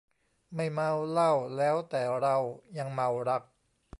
ไม่เมาเหล้า แล้วแต่เรา ยังเมารัก